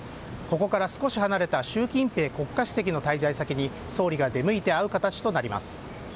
ここから少し離れた習近平国家主席の滞在先に総理が出向いて会う形となります。